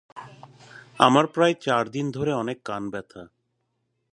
আমার প্রায় চার দিন ধরে অনেক কান ব্যথা।